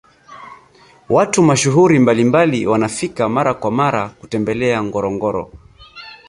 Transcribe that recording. watu mashuhuri mbalimbali wanafika mara kwa mara kutembelea ngorongoro